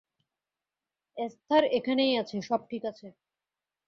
Esther এখানেই আছে, সব ঠিক আছে।